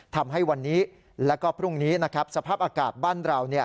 ทำให้วันนี้แล้วก็พรุ่งนี้สภาพอากาศบ้านเรา